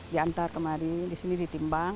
diantar kemarin di sini ditimbang